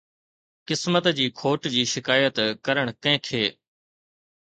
قسمت جي کوٽ جي شڪايت ڪرڻ ڪنهن کي؟